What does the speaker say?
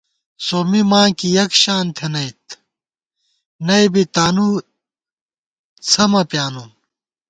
سومّی ماں کی یَکشان تھنَئیت، نئ بی تانُو څھمہ پیانُم